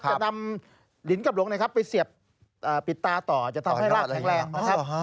จะนำลิ้นกับหลงนะครับไปเสียบปิดตาต่อจะทำให้รากแข็งแรงนะครับ